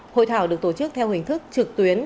hội thảo được tổ chức theo hình thức trực tuyến